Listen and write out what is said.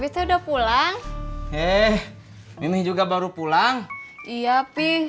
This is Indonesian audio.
tidak ada apa apa